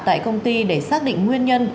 tại công ty để xác định nguyên nhân